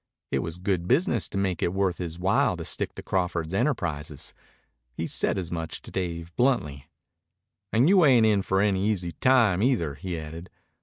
It was good business to make it worth his while to stick to Crawford's enterprises. He said as much to Dave bluntly. "And you ain't in for any easy time either," he added.